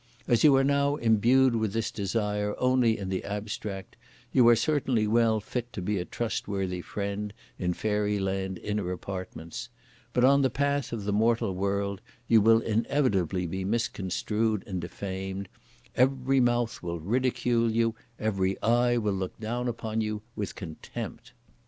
As you now are imbued with this desire only in the abstract, you are certainly well fit to be a trustworthy friend in (Fairyland) inner apartments, but, on the path of the mortal world, you will inevitably be misconstrued and defamed; every mouth will ridicule you; every eye will look down upon you with contempt.